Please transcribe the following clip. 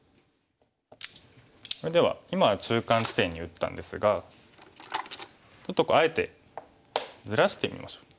それでは今は中間地点に打ったんですがちょっとあえてずらしてみましょう。